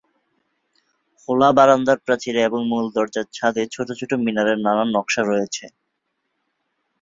খোলা বারান্দার প্রাচীরে এবং মূল দরজার ছাদে ছোট ছোট মিনারের নানান নকশা রয়েছে।